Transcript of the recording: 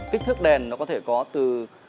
kích thước đèn nó có thể có từ